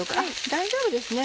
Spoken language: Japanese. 大丈夫ですね